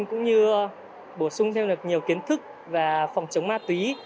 cũng như bổ sung thêm được nhiều kiến thức về phòng chống ma túy